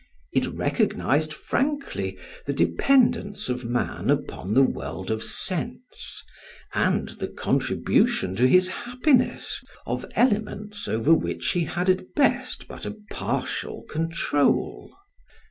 It recognised frankly the dependence of man upon the world of sense, and the contribution to his happiness of elements over which he had at best but a partial control.